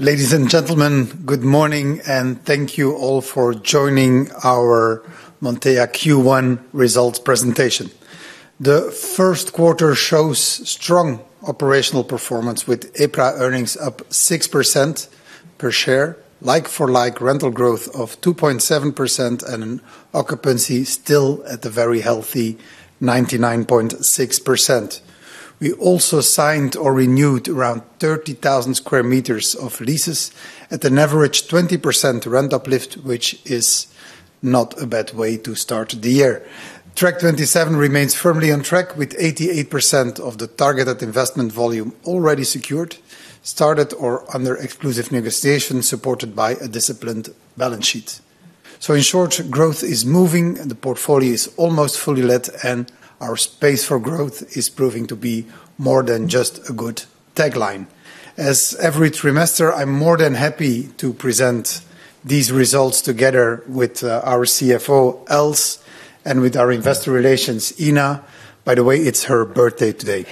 Ladies and gentlemen, good morning, and thank you all for joining our Montea Q1 results presentation. The first quarter shows strong operational performance with EPRA Earnings up 6% per share, like-for-like rental growth of 2.7%, and an occupancy still at the very healthy 99.6%. We also signed or renewed around 30,000 sq m of leases at an average 20% rent uplift, which is not a bad way to start the year. Track27 remains firmly on track with 88% of the targeted investment volume already secured, started or under exclusive negotiation supported by a disciplined balance sheet. In short, growth is moving and the portfolio is almost fully let, and our space for growth is proving to be more than just a good tagline. As every trimester, I'm more than happy to present these results together with our CFO, Els, and with our Investor Relations, Inna. By the way, it's her birthday today.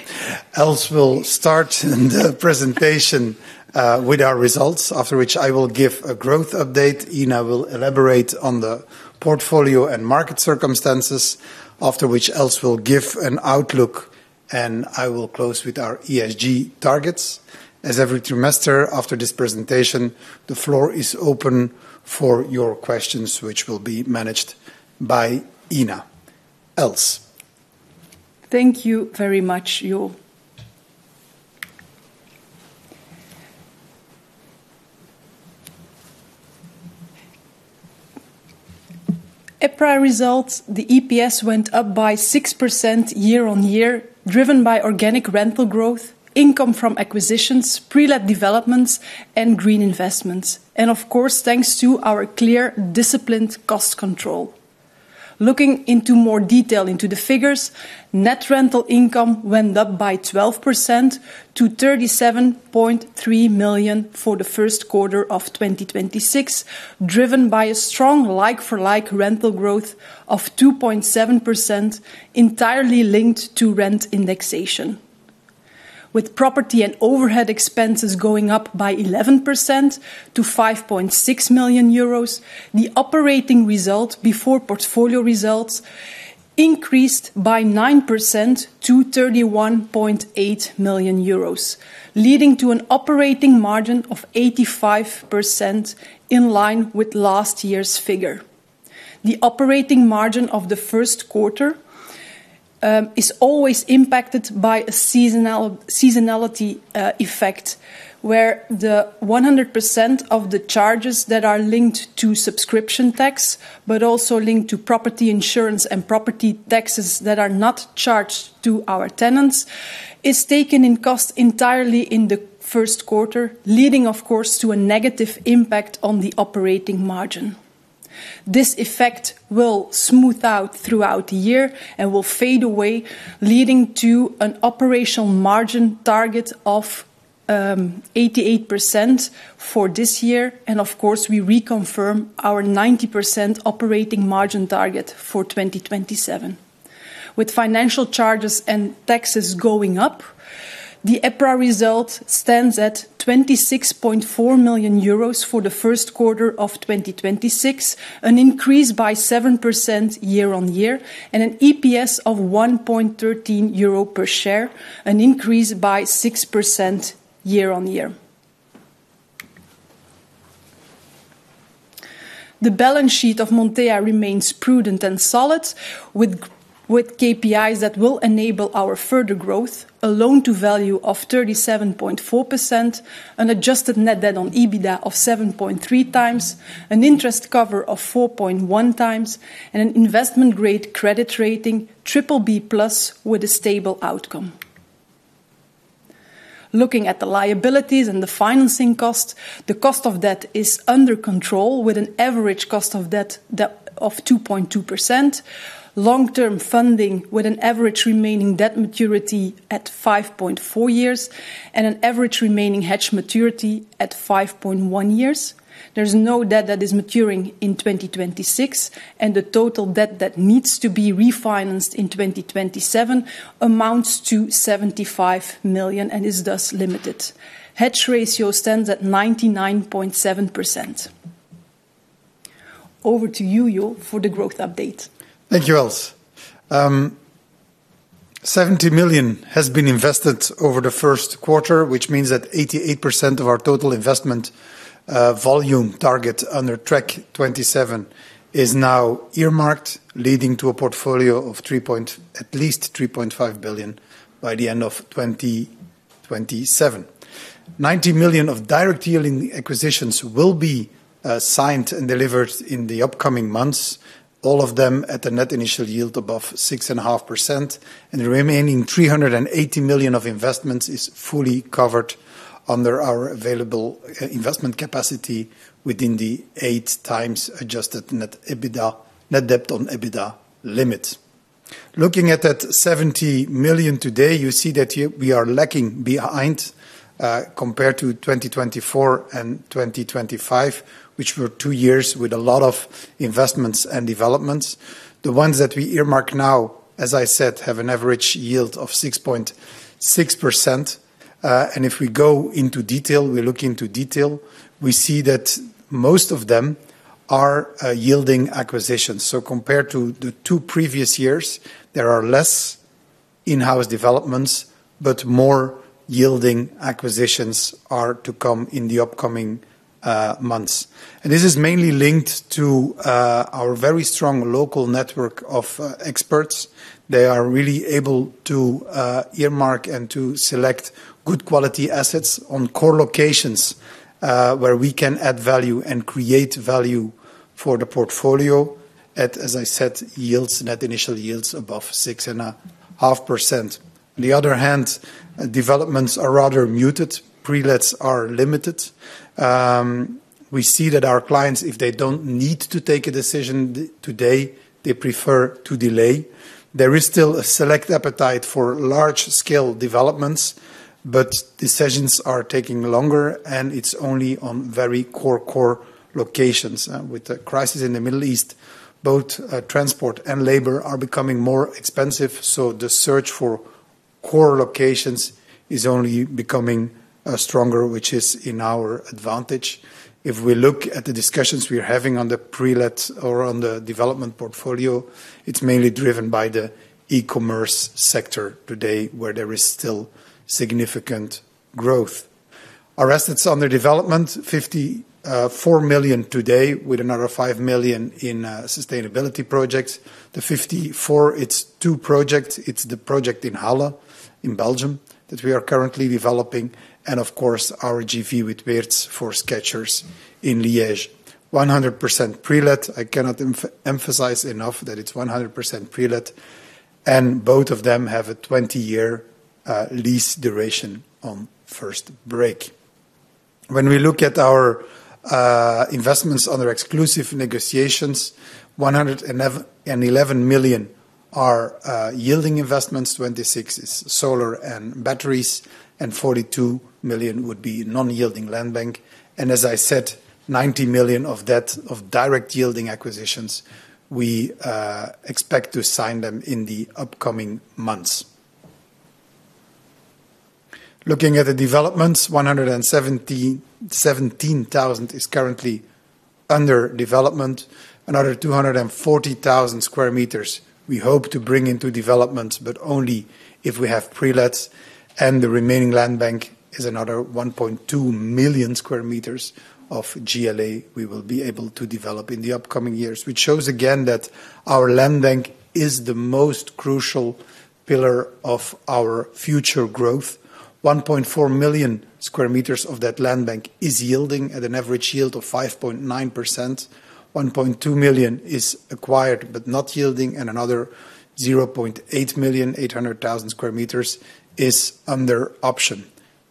Els will start the presentation with our results, after which I will give a growth update. Inna will elaborate on the portfolio and market circumstances. After which, Els will give an outlook, and I will close with our ESG targets. As every trimester, after this presentation, the floor is open for your questions, which will be managed by Inna. Els. Thank you very much, Jo. EPRA results, the EPS went up by 6% year-on-year, driven by organic rental growth, income from acquisitions, prelet developments, and green investments, and of course, thanks to our clear disciplined cost control. Looking into more detail into the figures, net rental income went up by 12% to 37.3 million for the first quarter of 2026, driven by a strong like-for-like rental growth of 2.7% entirely linked to rent indexation. With property and overhead expenses going up by 11% to 5.6 million euros, the operating result before portfolio results increased by 9% to 31.8 million euros, leading to an operating margin of 85% in line with last year's figure. The operating margin of the first quarter is always impacted by a seasonality effect, where the 100% of the charges that are linked to subscription tax, but also linked to property insurance and property taxes that are not charged to our tenants, is taken in cost entirely in the first quarter, leading, of course, to a negative impact on the operating margin. This effect will smooth out throughout the year and will fade away, leading to an operational margin target of 88% for this year. Of course, we reconfirm our 90% operating margin target for 2027. With financial charges and taxes going up, the EPRA result stands at 26.4 million euros for the first quarter of 2026, an increase by 7% year-on-year, and an EPS of 1.13 euro per share, an increase by 6% year-on-year. The balance sheet of Montea remains prudent and solid with KPIs that will enable our further growth, a loan-to-value of 37.4%, an adjusted net debt on EBITDA of 7.3x, an interest cover of 4.1x, and an investment-grade credit rating, BBB+ with a stable outcome. Looking at the liabilities and the financing cost, the cost of debt is under control with an average cost of debt that of 2.2%, long-term funding with an average remaining debt maturity at 5.4 years, and an average remaining hedge maturity at 5.1 years. There's no debt that is maturing in 2026. The total debt that needs to be refinanced in 2027 amounts to 75 million and is thus limited. Hedge ratio stands at 99.7%. Over to you, Jo, for the growth update. Thank you, Els. 70 million has been invested over the first quarter, which means that 88% of our total investment volume target under Track27 is now earmarked, leading to a portfolio of at least 3.5 billion by the end of 2027. 90 million of direct yield in acquisitions will be signed and delivered in the upcoming months, all of them at a net initial yield above 6.5%. The remaining 380 million of investments is fully covered under our available investment capacity within the 8x adjusted net EBITDA, net debt on EBITDA limits. Looking at that 70 million today, you see that here we are lacking behind compared to 2024 and 2025, which were two years with a lot of investments and developments. The ones that we earmark now, as I said, have an average yield of 6.6%. If we go into detail, we see that most of them are yielding acquisitions. Compared to the two previous years, there are less in-house developments, but more yielding acquisitions are to come in the upcoming months. This is mainly linked to our very strong local network of experts. They are really able to earmark and to select good quality assets on core locations, where we can add value and create value for the portfolio at, as I said, net initial yields above 6.5%. On the other hand, developments are rather muted. Pre-lets are limited. We see that our clients, if they don't need to take a decision today, they prefer to delay. There is still a select appetite for large-scale developments, but decisions are taking longer, and it's only on very core locations. With the crisis in the Middle East, both transport and labor are becoming more expensive, so the search for core locations is only becoming stronger, which is in our advantage. If we look at the discussions we are having on the pre-let or on the development portfolio, it's mainly driven by the e-commerce sector today where there is still significant growth. Our assets under development, 54 million today with another 5 million in sustainability projects. The 54 million, it's two projects. It's the project in Halle, in Belgium, that we are currently developing and, of course, our JV with Weerts for Skechers in Liège. 100% pre-let. I cannot emphasize enough that it's 100% pre-let, and both of them have a 20-year lease duration on first break. When we look at our investments under exclusive negotiations, 111 million are yielding investments, 26 million is solar and batteries, and 42 million would be non-yielding land bank. As I said, 90 million of that of direct yielding acquisitions, we expect to sign them in the upcoming months. Looking at the developments, 117,000 is currently under development. Another 240,000 sq m we hope to bring into development, but only if we have pre-lets. The remaining land bank is another 1.2 million sq m of GLA we will be able to develop in the upcoming years, which shows again that our land bank is the most crucial pillar of our future growth. 1.4 million sq m of that land bank is yielding at an average yield of 5.9%. 1.2 million is acquired, but not yielding, and another 0.8 million sq m is under option.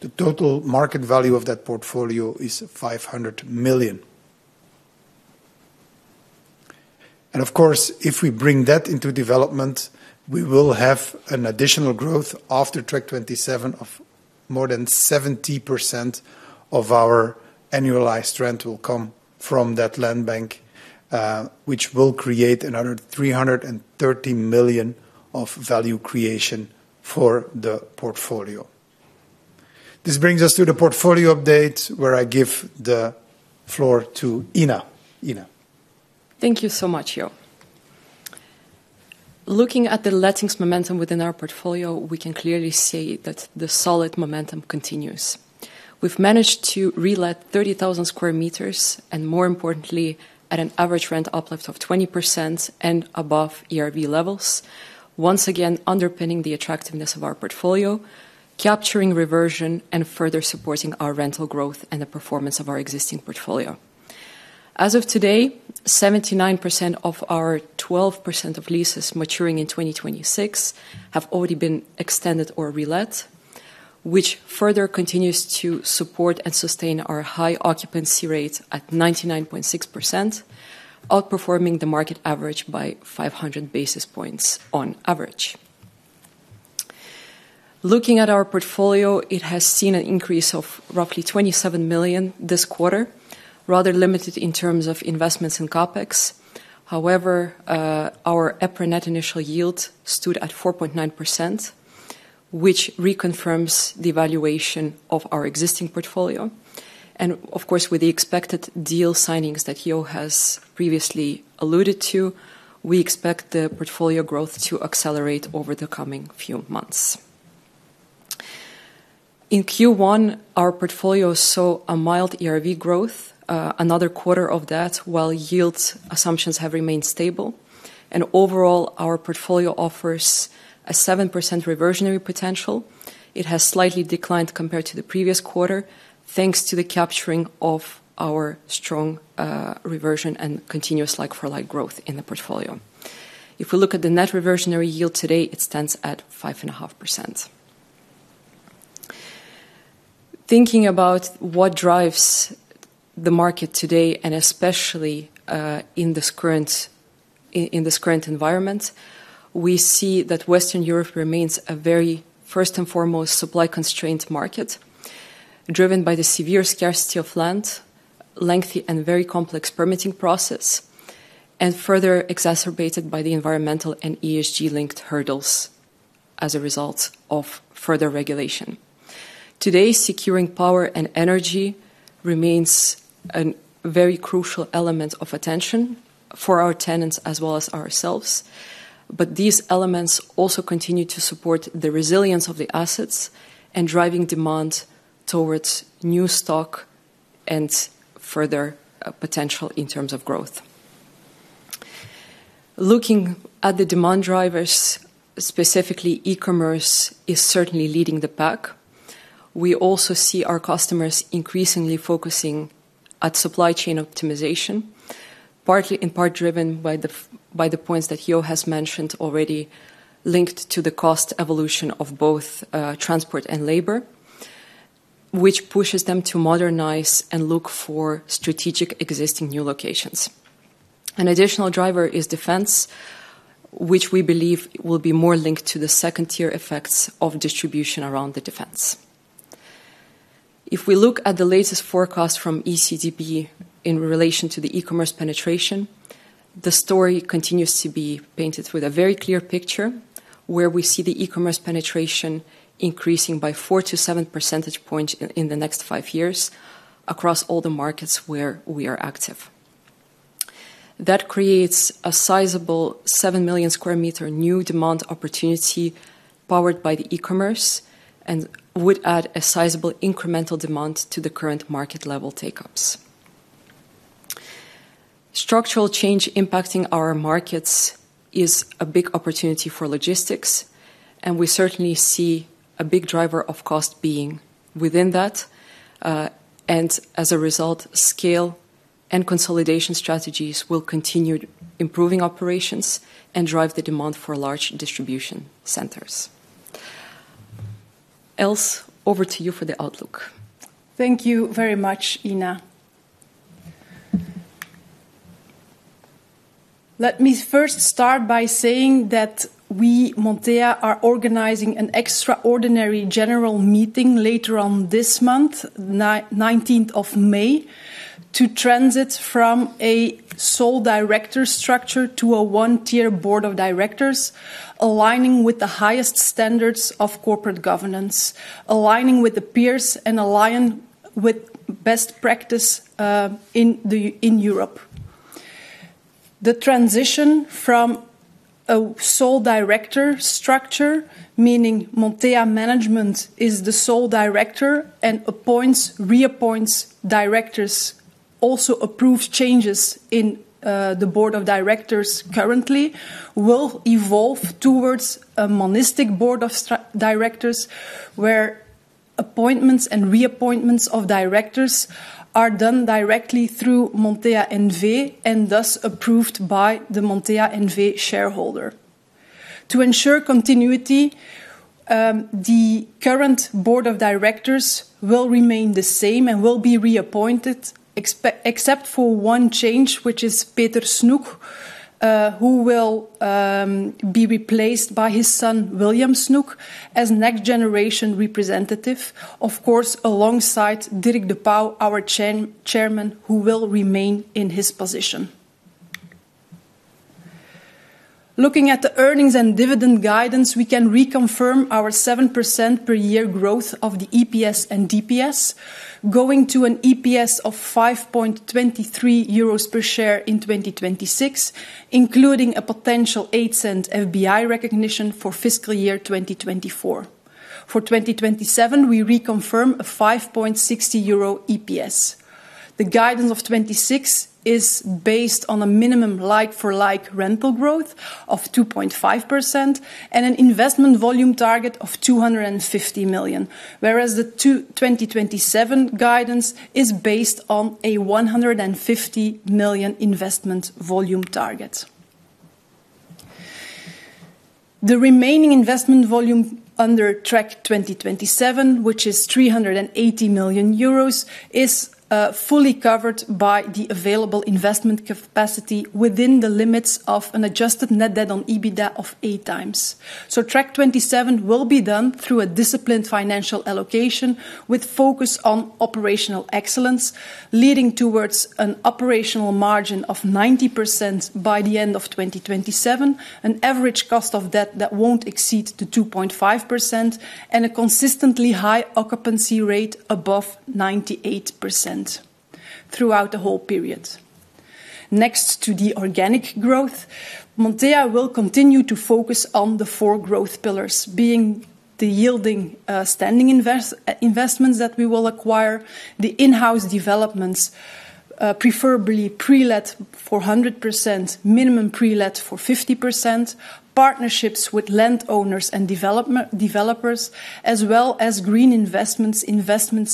The total market value of that portfolio is 500 million. Of course, if we bring that into development, we will have an additional growth after Track27 of more than 70% of our annualized rent will come from that land bank, which will create another 330 million of value creation for the portfolio. This brings us to the portfolio update where I give the floor to Inna. Inna. Thank you so much, Jo. Looking at the lettings momentum within our portfolio, we can clearly see that the solid momentum continues. We've managed to relet 30,000 sq m, and more importantly, at an average rent uplift of 20% and above ERV levels, once again underpinning the attractiveness of our portfolio, capturing reversion, and further supporting our rental growth and the performance of our existing portfolio. As of today, 79% of our 12% of leases maturing in 2026 have already been extended or relet, which further continues to support and sustain our high occupancy rate at 99.6%, outperforming the market average by 500 basis points on average. Looking at our portfolio, it has seen an increase of roughly 27 million this quarter, rather limited in terms of investments in CapEx. Our EPRA net initial yield stood at 4.9%, which reconfirms the valuation of our existing portfolio. Of course, with the expected deal signings that Jo has previously alluded to, we expect the portfolio growth to accelerate over the coming few months. In Q1, our portfolio saw a mild ERV growth, another quarter of that while yields assumptions have remained stable. Overall, our portfolio offers a 7% reversionary potential. It has slightly declined compared to the previous quarter, thanks to the capturing of our strong reversion and continuous like-for-like growth in the portfolio. If we look at the net reversionary yield today, it stands at 5.5%. Thinking about what drives the market today, and especially, in this current environment, we see that Western Europe remains a very first and foremost supply-constrained market. Driven by the severe scarcity of land, lengthy and very complex permitting process, and further exacerbated by the environmental and ESG-linked hurdles as a result of further regulation. Today, securing power and energy remains an very crucial element of attention for our tenants as well as ourselves, but these elements also continue to support the resilience of the assets and driving demand towards new stock and further potential in terms of growth. Looking at the demand drivers, specifically e-commerce is certainly leading the pack. We also see our customers increasingly focusing at supply chain optimization, in part driven by the points that Jo has mentioned already, linked to the cost evolution of both transport and labor, which pushes them to modernize and look for strategic existing new locations. An additional driver is defense, which we believe will be more linked to the second-tier effects of distribution around the defense. If we look at the latest forecast from ECDB in relation to the e-commerce penetration, the story continues to be painted with a very clear picture, where we see the e-commerce penetration increasing by 4-7 percentage point in the next five years across all the markets where we are active. That creates a sizable 7 million sq m new demand opportunity powered by the e-commerce and would add a sizable incremental demand to the current market level take-ups. Structural change impacting our markets is a big opportunity for logistics. We certainly see a big driver of cost being within that. As a result, scale and consolidation strategies will continue improving operations and drive the demand for large distribution centers. Els, over to you for the outlook. Thank you very much, Inna. Let me first start by saying that we, Montea, are organizing an extraordinary general meeting later on this month, 19th of May, to transit from a sole director structure to a one-tier board of directors, aligning with the highest standards of corporate governance, aligning with the peers, and align with best practice in Europe. The transition from a sole director structure, meaning Montea management is the sole director and reappoints directors, also approves changes in the board of directors currently, will evolve towards a monistic board of directors, where appointments and reappointments of directors are done directly through Montea NV and thus approved by the Montea NV shareholder. To ensure continuity, the current board of directors will remain the same and will be reappointed except for one change, which is Peter Snoeck, who will be replaced by his son, William Snoeck, as next generation representative, of course, alongside Dirk De Pauw, our Chairman, who will remain in his position. Looking at the earnings and dividend guidance, we can reconfirm our 7% per year growth of the EPS and DPS, going to an EPS of 5.23 euros per share in 2026, including a potential 0.08 FBI recognition for FY 2024. For 2027, we reconfirm a 5.60 euro EPS. The guidance of 2026 is based on a minimum like-for-like rental growth of 2.5% and an investment volume target of 250 million, whereas the 2027 guidance is based on a 150 million investment volume target. The remaining investment volume under Track27, which is 380 million euros, is fully covered by the available investment capacity within the limits of an adjusted net debt on EBITDA of 8x. Track27 will be done through a disciplined financial allocation with focus on operational excellence, leading towards an operational margin of 90% by the end of 2027, an average cost of debt that won't exceed to 2.5%, and a consistently high occupancy rate above 98% throughout the whole period. Next to the organic growth, Montea will continue to focus on the four growth pillars, being the yielding, standing investments that we will acquire, the in-house developments, preferably pre-let for 100%, minimum pre-let for 50%, partnerships with landowners and developers, as well as green investments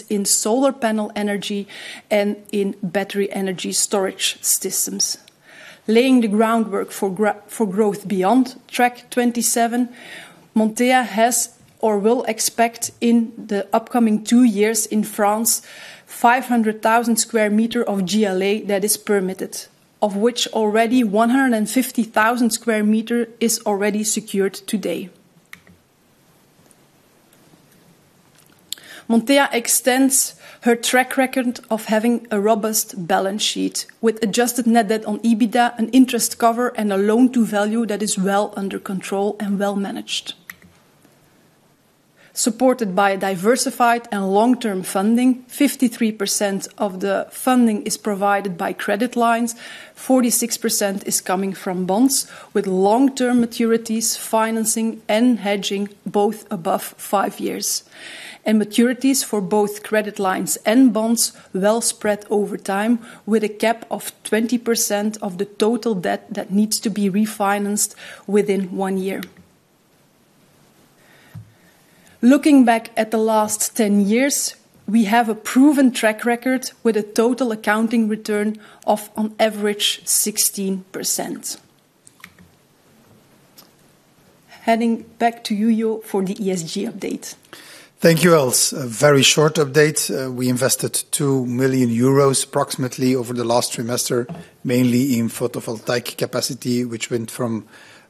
in solar panel energy and in battery energy storage systems. Laying the groundwork for growth beyond Track27, Montea has or will expect in the upcoming two years in France 500,000 sq m of GLA that is permitted, of which already 150,000 sq m is already secured today. Montea extends her track record of having a robust balance sheet with adjusted net debt on EBITDA and interest cover, and a loan-to-value that is well under control and well managed. Supported by a diversified and long-term funding, 53% of the funding is provided by credit lines, 46% is coming from bonds with long-term maturities, financing and hedging both above five years. Maturities for both credit lines and bonds well spread over time, with a cap of 20% of the total debt that needs to be refinanced within one year. Looking back at the last 10 years, we have a proven track record with a total accounting return of on average 16%. Heading back to you, Jo, for the ESG update. Thank you, Els. A very short update. We invested 2 million euros approximately over the last trimester, mainly in photovoltaic capacity, which went from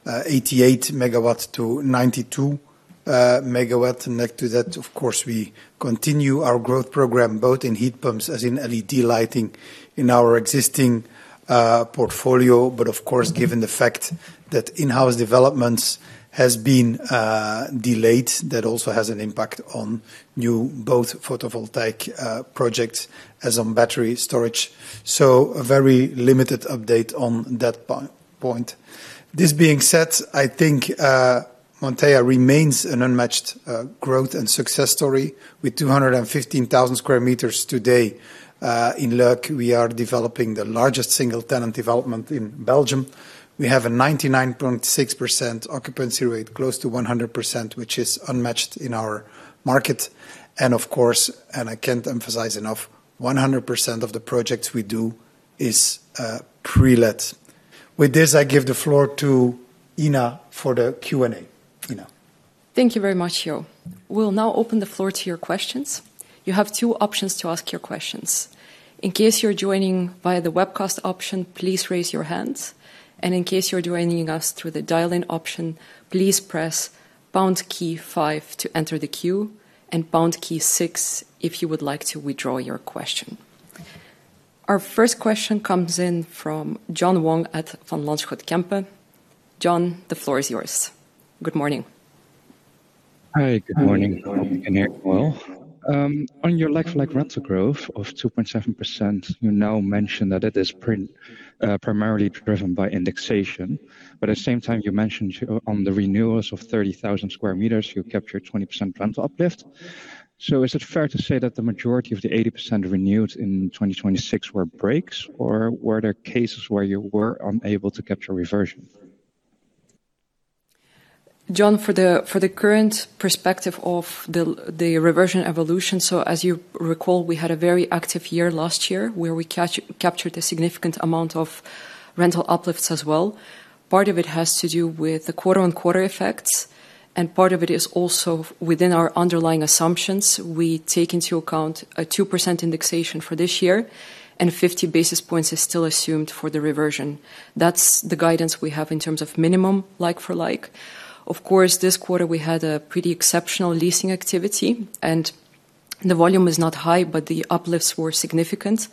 88 MW-92 MW. Next to that, of course, we continue our growth program, both in heat pumps as in LED lighting in our existing portfolio. Of course, given the fact that in-house developments has been delayed, that also has an impact on new both photovoltaic projects as on battery storage. A very limited update on that point. This being said, I think Montea remains an unmatched growth and success story. With 215,000 sq m today in Luik, we are developing the largest single tenant development in Belgium. We have a 99.6% occupancy rate, close to 100%, which is unmatched in our market. Of course, and I can't emphasize enough, 100% of the projects we do is pre-let. With this, I give the floor to Inna for the Q&A. Inna. Thank you very much, Jo. We'll now open the floor to your questions. You have two options to ask your questions. In case you're joining via the webcast option, please raise your hands. In case you're joining us through the dial-in option, please press pound key five to enter the queue and pound key six if you would like to withdraw your question. Our first question comes in from John Vuong at Van Lanschot Kempen. John, the floor is yours. Good morning. Hi. Good morning. Can you hear me well? On your like-for-like rental growth of 2.7%, you now mention that it is primarily driven by indexation. At the same time, you mentioned on the renewals of 30,000 sq m, you captured 20% rental uplift. Is it fair to say that the majority of the 80% renewed in 2026 were breaks, or were there cases where you were unable to capture reversion? John, for the current perspective of the reversion evolution, as you recall, we had a very active year last year where we captured a significant amount of rental uplifts as well. Part of it has to do with the quarter-on-quarter effects. Part of it is also within our underlying assumptions. We take into account a 2% indexation for this year. 50 basis points is still assumed for the reversion. That's the guidance we have in terms of minimum like-for-like. Of course, this quarter we had a pretty exceptional leasing activity. The volume is not high, the uplifts were significant.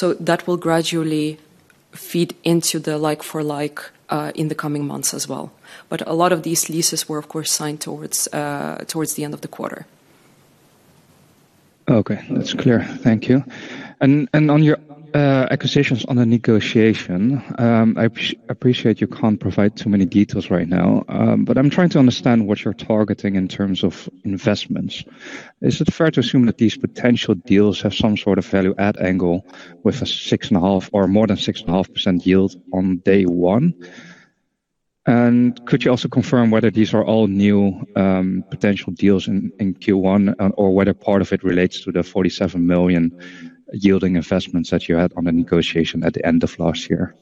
That will gradually feed into the like-for-like in the coming months as well. A lot of these leases were of course, signed towards the end of the quarter. Okay. That's clear. Thank you. On your acquisitions under negotiation, I appreciate you can't provide too many details right now, but I'm trying to understand what you're targeting in terms of investments. Is it fair to assume that these potential deals have some sort of value-add angle with a 6.5% or more than 6.5% yield on day one? Could you also confirm whether these are all new potential deals in Q1, or whether part of it relates to the 47 million yielding investments that you had on the negotiation at the end of last year?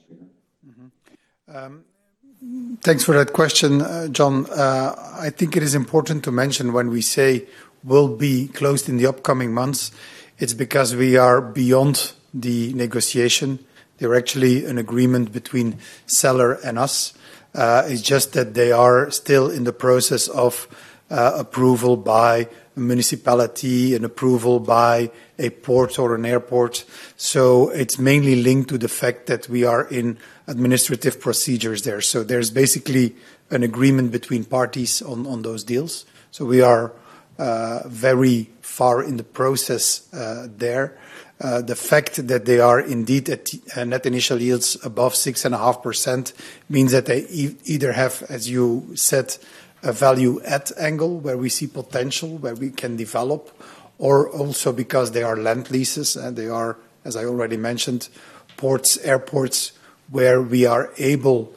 Thanks for that question, John. I think it is important to mention when we say will be closed in the upcoming months, it's because we are beyond the negotiation. There are actually an agreement between seller and us. It's just that they are still in the process of approval by municipality and approval by a port or an airport. It's mainly linked to the fact that we are in administrative procedures there. There's basically an agreement between parties on those deals. We are very far in the process there. The fact that they are indeed at net initial yields above 6.5% means that they either have, as you said, a value add angle where we see potential, where we can develop, or also because they are land leases and they are, as I already mentioned, ports, airports, where we are able,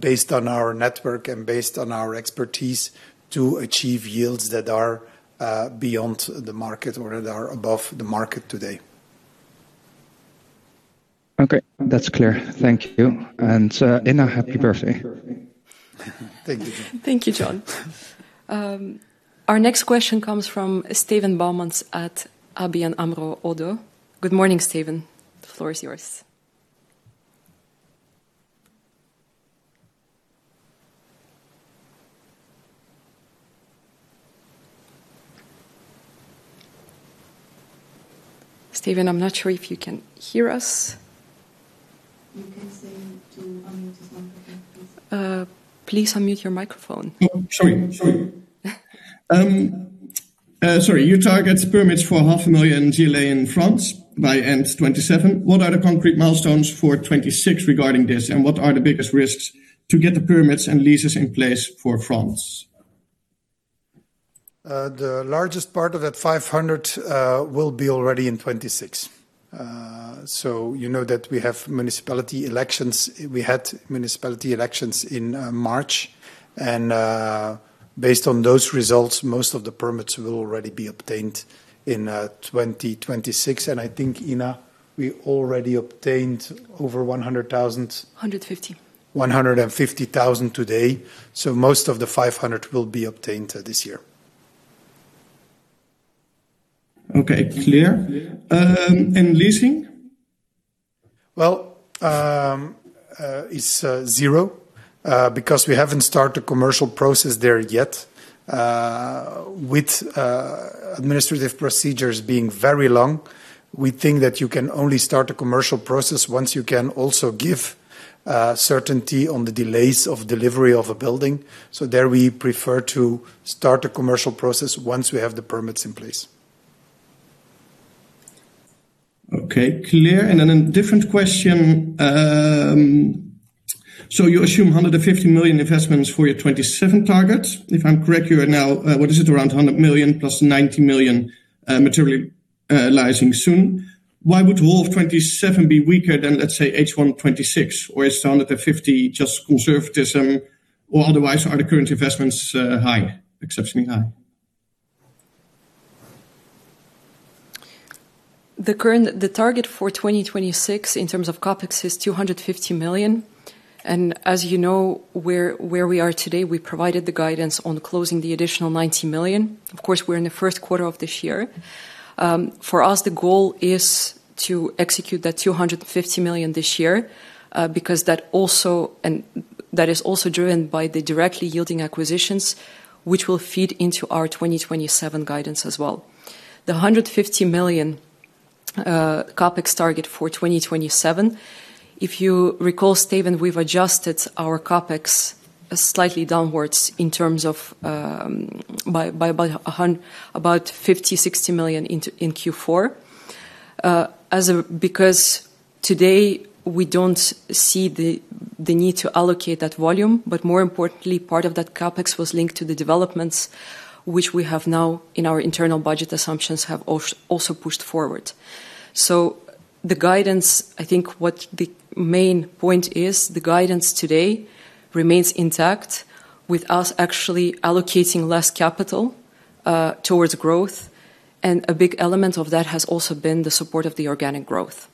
based on our network and based on our expertise, to achieve yields that are beyond the market or that are above the market today. Okay. That's clear. Thank you. Inna, happy birthday. Thank you, John. Thank you, John. Our next question comes from Steven Boumans at ABN AMRO - ODDO. Good morning, Steven. The floor is yours. Steven, I'm not sure if you can hear us. You can say to unmute his microphone, please. Please unmute your microphone. Sorry. You target permits for 500,000 GLA in France by end 2027. What are the concrete milestones for 2026 regarding this? What are the biggest risks to get the permits and leases in place for France? The largest part of that 500 will be already in 2026. You know that we have municipality elections. We had municipality elections in March, based on those results, most of the permits will already be obtained in 2026. I think, Inna, we already obtained over 100,000- EUR 150. 150,000 today, most of the 500 will be obtained this year. Okay, clear. Leasing? It's 0 because we haven't started the commercial process there yet. With administrative procedures being very long, we think that you can only start a commercial process once you can also give certainty on the delays of delivery of a building. There we prefer to start a commercial process once we have the permits in place. Okay, clear. Then a different question. You assume 150 million investments for your 2027 targets. If I'm correct you are now, what is it? Around 100 million plus 90 million, materially, realizing soon. Why would all of 2027 be weaker than, let's say, H1 2026? Is the 150 million just conservatism? Or otherwise, are the current investments high? Exceptionally high? The target for 2026 in terms of CapEx is 250 million. As you know, where we are today, we provided the guidance on closing the additional 90 million. Of course, we're in the first quarter of this year. For us, the goal is to execute that 250 million this year, because that is also driven by the directly yielding acquisitions, which will feed into our 2027 guidance as well. The 150 million CapEx target for 2027, if you recall, Steven, we've adjusted our CapEx slightly downwards in terms of by about 50, 60 million in Q4. Because today we don't see the need to allocate that volume, but more importantly, part of that CapEx was linked to the developments which we have now in our internal budget assumptions have also pushed forward. The guidance, I think what the main point is, the guidance today remains intact with us actually allocating less capital towards growth, and a big element of that has also been the support of the organic growth.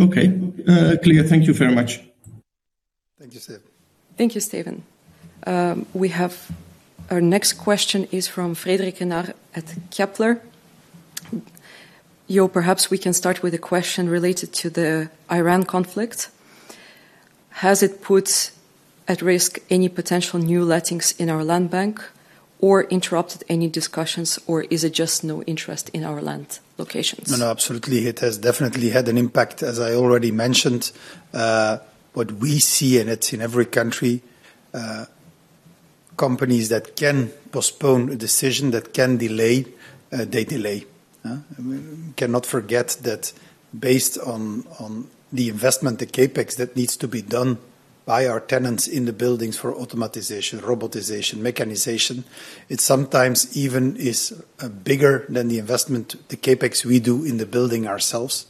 Okay. clear. Thank you very much. Thank you, Steven. Thank you, Steven. We have our next question is from Frederic Renard at Kepler. Jo, perhaps we can start with a question related to the Iran conflict. Has it put at risk any potential new lettings in our land bank or interrupted any discussions, or is it just no interest in our land locations? No, no, absolutely. It has definitely had an impact, as I already mentioned. What we see, and it's in every country, companies that can postpone a decision that can delay, they delay. We cannot forget that based on the investment, the CapEx that needs to be done by our tenants in the buildings for automatization, robotization, mechanization, it sometimes even is bigger than the investment, the CapEx we do in the building ourselves.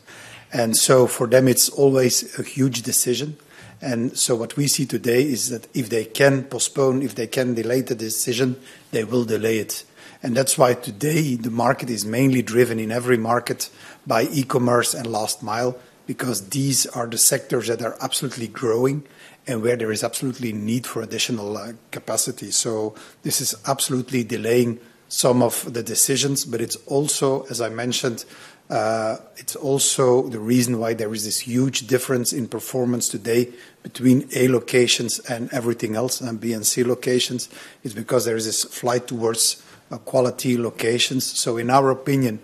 For them, it's always a huge decision. What we see today is that if they can postpone, if they can delay the decision, they will delay it. That's why today the market is mainly driven in every market by e-commerce and last mile, because these are the sectors that are absolutely growing and where there is absolutely need for additional capacity. This is absolutely delaying some of the decisions, but it's also, as I mentioned, it's also the reason why there is this huge difference in performance today between A locations and everything else, and B and C locations. It's because there is this flight towards quality locations. In our opinion,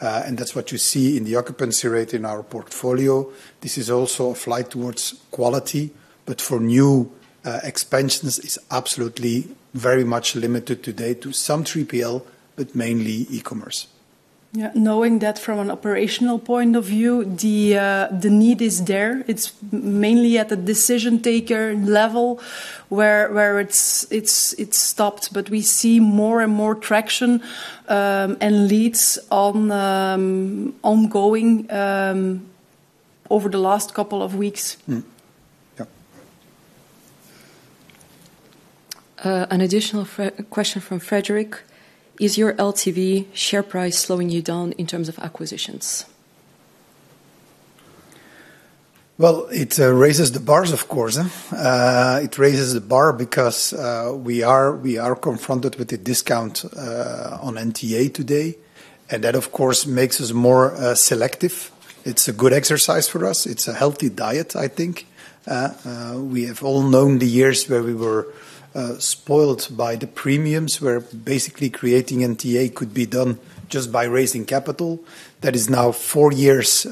and that's what you see in the occupancy rate in our portfolio, this is also a flight towards quality. For new expansions, it's absolutely very much limited today to some 3PL, but mainly e-commerce. Yeah. Knowing that from an operational point of view, the need is there. It's mainly at the decision taker level where it's stopped. We see more and more traction and leads on ongoing over the last couple of weeks. Mm. Yep. An additional question from Frederick: Is your LTV share price slowing you down in terms of acquisitions? Well, it raises the bar, of course. It raises the bar because we are confronted with a discount on NTA today, and that, of course, makes us more selective. It's a good exercise for us. It's a healthy diet, I think. We have all known the years where we were spoiled by the premiums, where basically creating NTA could be done just by raising capital. That is now four years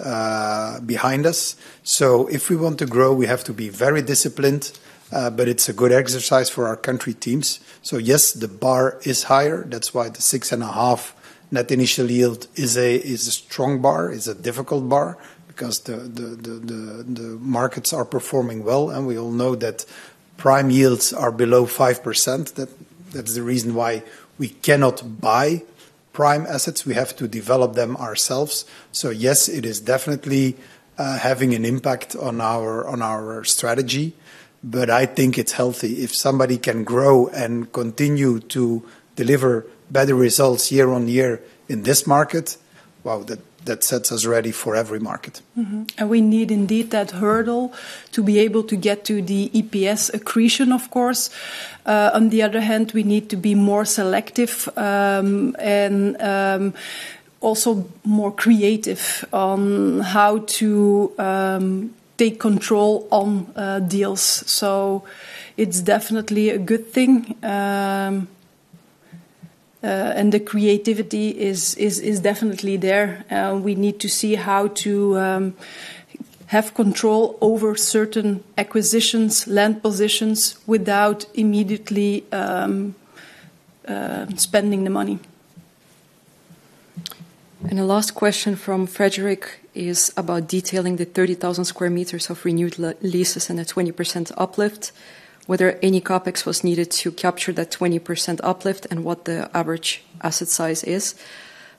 behind us. If we want to grow, we have to be very disciplined, but it's a good exercise for our country teams. Yes, the bar is higher. That's why the 6.5% net initial yield is a strong bar. It's a difficult bar because the markets are performing well. We all know that prime yields are below 5%. That is the reason why we cannot buy prime assets. We have to develop them ourselves. Yes, it is definitely having an impact on our strategy, but I think it's healthy. If somebody can grow and continue to deliver better results year-on-year in this market, wow, that sets us ready for every market. We need indeed that hurdle to be able to get to the EPS accretion, of course. On the other hand, we need to be more selective, and also more creative on how to take control on deals. It's definitely a good thing. The creativity is definitely there. We need to see how to have control over certain acquisitions, land positions, without immediately spending the money. The last question from Frederick is about detailing the 30,000 sq m of renewed leases and a 20% uplift, whether any CapEx was needed to capture that 20% uplift, and what the average asset size is.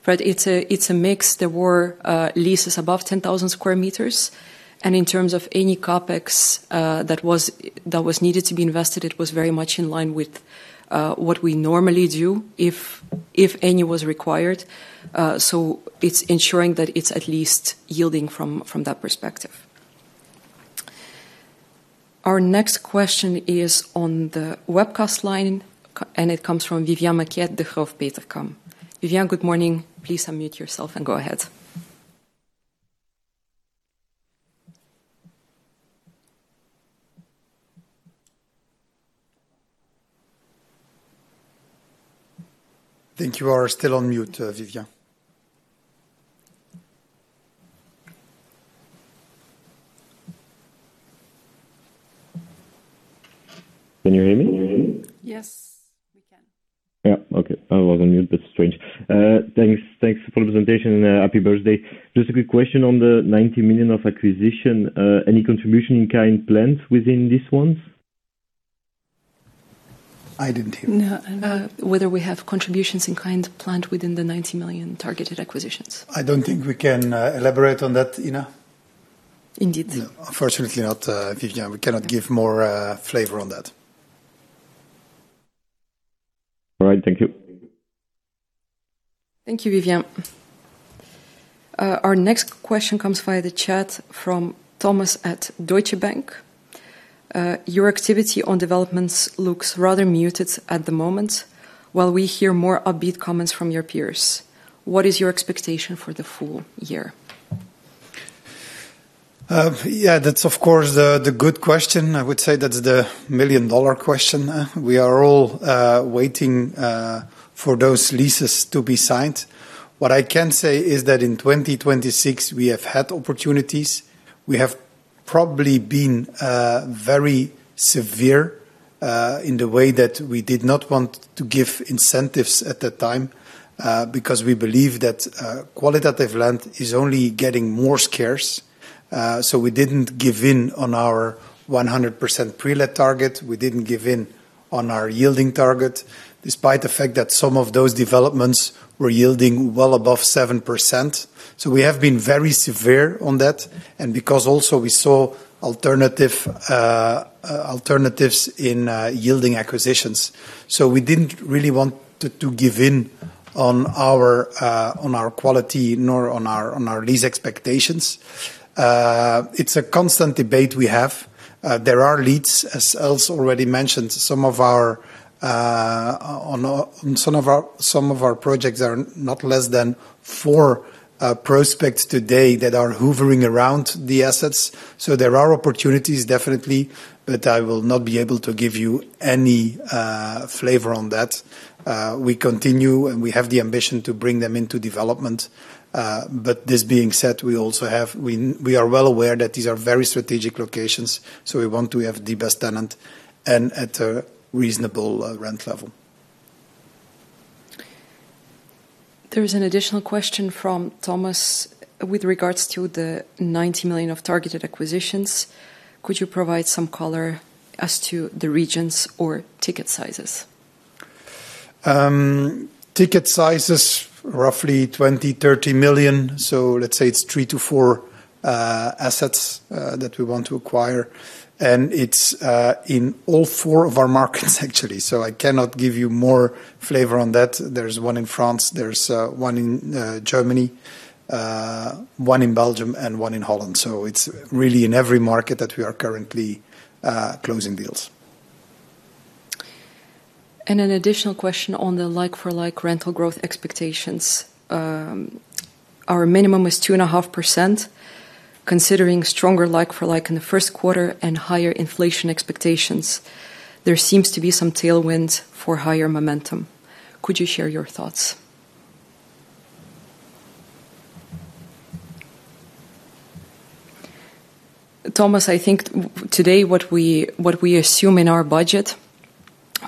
Fred, it's a, it's a mix. There were leases above 10,000 sq m, and in terms of any CapEx that was needed to be invested, it was very much in line with what we normally do if any was required. It's ensuring that it's at least yielding from that perspective. Our next question is on the webcast line, and it comes from Vivien Maquet at Degroof Petercam. Vivien, good morning. Please unmute yourself and go ahead. I think you are still on mute, Vivien. Can you hear me? Yes, we can. Yeah. Okay. I was on mute. That's strange. Thanks. Thanks for presentation and happy birthday. Just a quick question on the 90 million of acquisition. Any contribution in kind plans within these ones? I didn't hear. No. Whether we have contributions in kind planned within the 90 million targeted acquisitions. I don't think we can elaborate on that, Inna. Indeed. No. Unfortunately not, Vivien. We cannot give more flavor on that. All right. Thank you. Thank you, Vivien. Our next question comes via the chat from Thomas at Deutsche Bank. Your activity on developments looks rather muted at the moment while we hear more upbeat comments from your peers. What is your expectation for the full year? Yeah, that's of course the good question. I would say that's the million-dollar question. We are all waiting for those leases to be signed. What I can say is that in 2026 we have had opportunities. We have probably been very severe in the way that we did not want to give incentives at the time because we believe that qualitative land is only getting more scarce. We didn't give in on our 100% pre-let target. We didn't give in on our yielding target, despite the fact that some of those developments were yielding well above 7%. We have been very severe on that, because also we saw alternative alternatives in yielding acquisitions. We didn't really want to give in on our quality, nor on our lease expectations. It's a constant debate we have. There are leads, as Els already mentioned. Some of our projects are not less than four prospects today that are hoovering around the assets. There are opportunities, definitely, but I will not be able to give you any flavor on that. We continue, and we have the ambition to bring them into development. This being said, we are well aware that these are very strategic locations, we want to have the best tenant and at a reasonable rent level. There is an additional question from Thomas with regards to the 90 million of targeted acquisitions. Could you provide some color as to the regions or ticket sizes? Ticket size is roughly 20 million, 30 million. Let's say it's three to four assets that we want to acquire, and it's in all four of our markets actually. I cannot give you more flavor on that. There's one in France, there's one in Germany, one in Belgium, and one in Holland. It's really in every market that we are currently closing deals. An additional question on the like-for-like rental growth expectations. Our minimum was 2.5%. Considering stronger like-for-like in the first quarter and higher inflation expectations, there seems to be some tailwind for higher momentum. Could you share your thoughts? Thomas, I think today what we assume in our budget,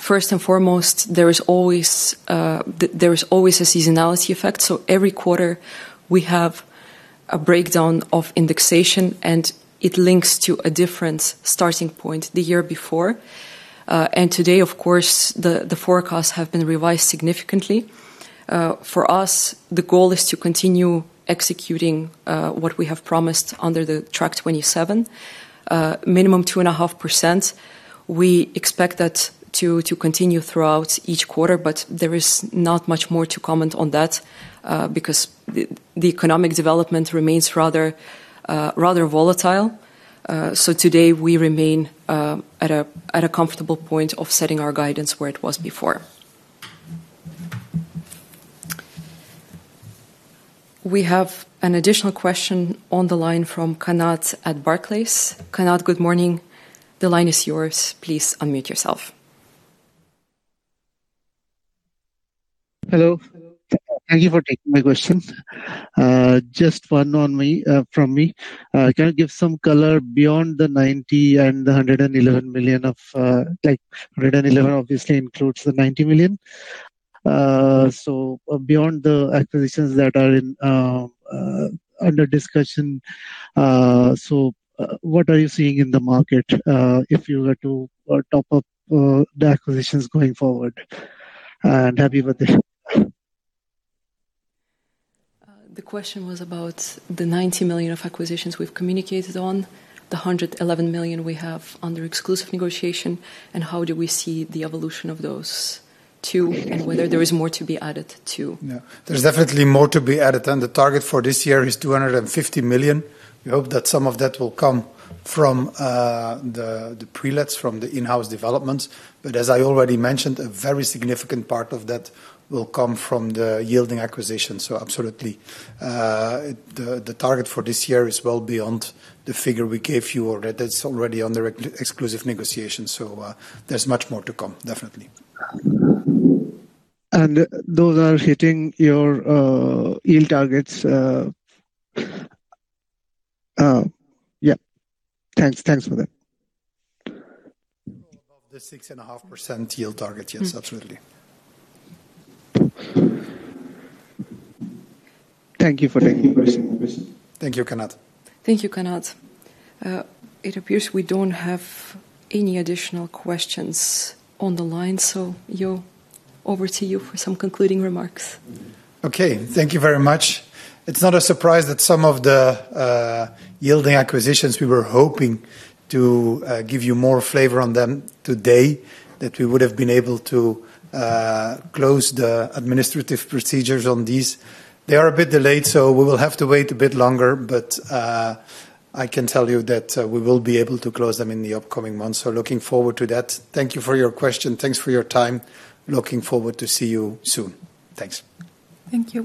first and foremost, there is always a seasonality effect. Every quarter we have a breakdown of indexation, and it links to a different starting point the year before. Today of course the forecasts have been revised significantly. For us, the goal is to continue executing what we have promised under the Track27, minimum 2.5%. We expect that to continue throughout each quarter, but there is not much more to comment on that because the economic development remains rather volatile. Today we remain at a comfortable point of setting our guidance where it was before. We have an additional question on the line from Kanat at Barclays. Kanat, good morning. The line is yours. Please unmute yourself. Hello. Thank you for taking my question. Just one on me, from me. Can you give some color beyond the 90 million and the 111 million, like 111 million obviously includes the 90 million. Beyond the acquisitions that are in, under discussion, what are you seeing in the market, if you were to top up the acquisitions going forward? And happy birthday. The question was about the 90 million of acquisitions we've communicated on, the 111 million we have under exclusive negotiation, and how do we see the evolution of those two. Whether there is more to be added, too. Yeah. There's definitely more to be added, and the target for this year is 250 million. We hope that some of that will come from the prelets from the in-house developments. As I already mentioned, a very significant part of that will come from the yielding acquisition. Absolutely, the target for this year is well beyond the figure we gave you already. That's already under exclusive negotiation. There's much more to come, definitely. Those are hitting your yield targets, yeah. Thanks. Thanks for that. Above the 6.5% yield target. Yes, absolutely. Thank you for taking my question. Thank you, Kanat. Thank you, Kanat. It appears we don't have any additional questions on the line, so Jo, over to you for some concluding remarks. Okay. Thank you very much. It's not a surprise that some of the yielding acquisitions, we were hoping to give you more flavor on them today, that we would have been able to close the administrative procedures on these. They are a bit delayed. We will have to wait a bit longer. I can tell you that we will be able to close them in the upcoming months. Looking forward to that. Thank you for your question. Thanks for your time. Looking forward to see you soon. Thanks. Thank you.